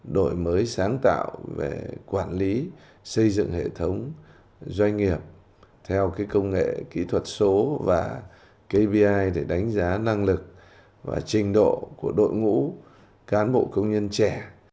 đổi mới sáng tạo về quản lý xây dựng hệ thống doanh nghiệp theo công nghệ kỹ thuật số và kvi để đánh giá năng lực và trình độ của đội ngũ cán bộ công nhân trẻ